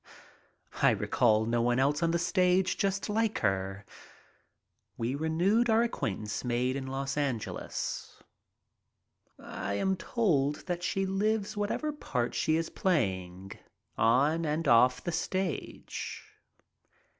I recall no one else on the stage just like her. We renewed our acquaintance made in Los Angeles. I am told that she lives whatever part She is playing, on and off the stage.